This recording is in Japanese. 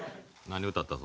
何歌った？